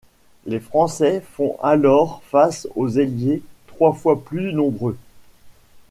Les Français font alors face aux Alliés trois fois plus nombreux.